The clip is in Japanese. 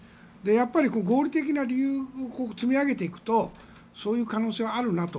やっぱり合理的な理由を積み上げていくとそういう可能性はあるなと。